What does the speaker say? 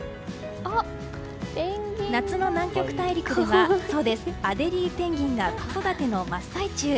夏の南極大陸ではアデリーペンギンが子育ての真っ最中。